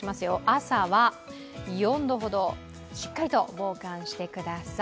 朝は４度ほど、しっかりと防寒してください。